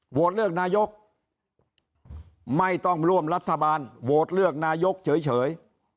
โหวตเลือกนายกไม่ต้องร่วมรัฐบาลโหวตเลือกนายกเฉย